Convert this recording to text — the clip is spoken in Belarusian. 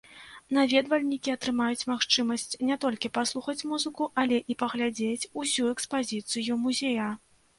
Наведвальнікі атрымаюць магчымасць не толькі паслухаць музыку, але і паглядзець усю экспазіцыю музея.